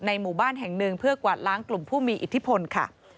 หมู่บ้านแห่งหนึ่งเพื่อกวาดล้างกลุ่มผู้มีอิทธิพลค่ะ